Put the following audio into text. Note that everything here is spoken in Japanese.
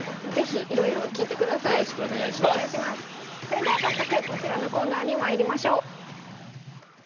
それでは早速こちらのコーナーにまいりましょう。